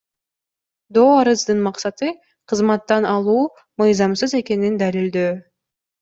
Доо арыздын максаты — кызматтан алуу мыйзамсыз экенин далилдөө.